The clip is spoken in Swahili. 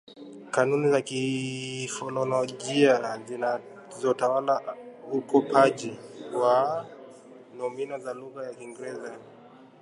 Kanuni za kifonolojia zinazotawala ukopaji wa nomino za lugha ya Kiingereza